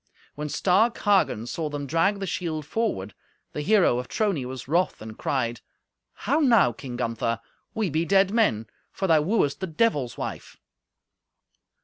When stark Hagen saw them drag the shield forward, the hero of Trony was wroth, and cried, "How now, King Gunther? We be dead men, for thou wooest the Devil's wife!"